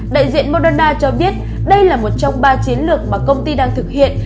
đại diện moderna cho biết đây là một trong ba chiến lược mà công ty đang thực hiện